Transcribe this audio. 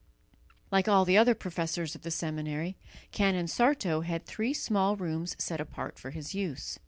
Like all the other professors of the seminary, Canon Sarto had three small rooms set apart for his use.